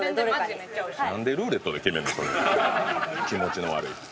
気持ちの悪い。